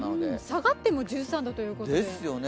下がっても１３度ということで。